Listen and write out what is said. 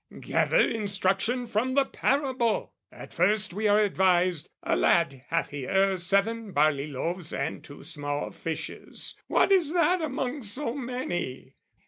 Gather instruction from the parable! At first we are advised "A lad hath here "Seven barley loaves and two small fishes: what "Is that among so many?"